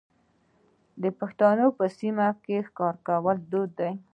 د پښتنو په سیمو کې ښکار کول دود دی.